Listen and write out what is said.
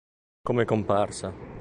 Come comparsa